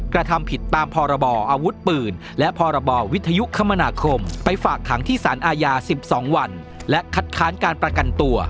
กระทำผิดตามพรบออาวุธปืนและพรบวิทยุคมนาคมไปฝากขังที่สารอาญา๑๒วันและคัดค้านการประกันตัว